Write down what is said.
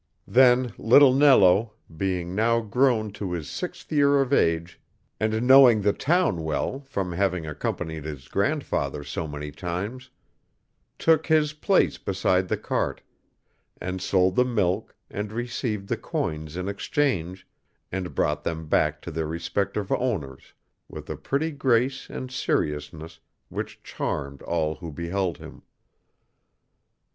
Then little Nello, being now grown to his sixth year of age, and knowing the town well from having accompanied his grandfather so many times, took his place beside the cart, and sold the milk and received the coins in exchange, and brought them back to their respective owners with a pretty grace and seriousness which charmed all who beheld him.